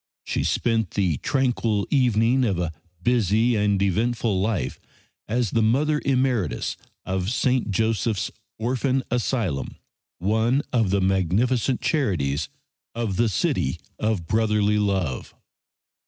She spent the tranquil evening of a busy and eventful life as the Mother Emeritus of St. Joseph's Orphan Asylum, one of the magnificent charities of the City of Brotherly Love.